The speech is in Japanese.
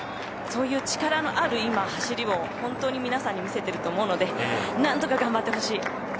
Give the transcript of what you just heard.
そういう力のある今、走りを本当に皆さんに見せてると思うので何とか頑張ってほしい。